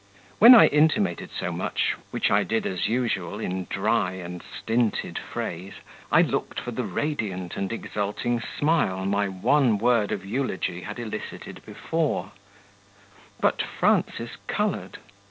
When I intimated so much, which I did as usual in dry and stinted phrase, I looked for the radiant and exulting smile my one word of eulogy had elicited before; but Frances coloured.